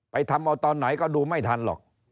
ทำเอาตอนไหนก็ดูไม่ทันหรอก